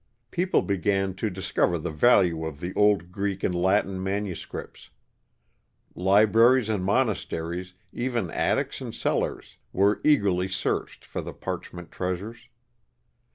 People began to discover the value of the old Greek and Latin manuscripts. Libraries and monasteries, even attics and cellars, were eagerly searched for the parchment treasures.